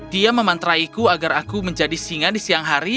dia memantraiku agar aku menjadi singa di siang hari